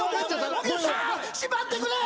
しまってくれー！